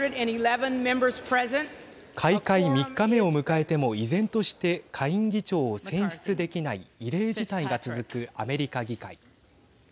開会３日目を迎えても依然として下院議長を選出できない異例事態が続くアメリカ議会。